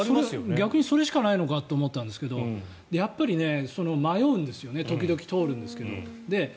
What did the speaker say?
逆にそれしかないのかと思ったんですがやっぱり迷うんですよね時々通るんですけど。